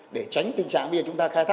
để tránh tình trạng bây giờ chúng ta khai thác